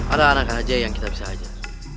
ada anak aja yang kita bisa ajar